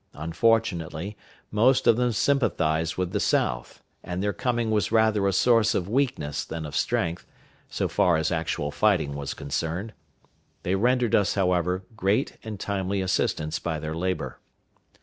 Unfortunately, most of them sympathized with the South, and their coming was rather a source of weakness than of strength, so far as actual fighting was concerned. They rendered us, however, great and timely assistance by their labor.